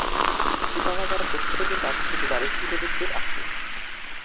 পিতামাতার প্রত্যেকের কাছ থেকে যার একটি করে সেট আসে।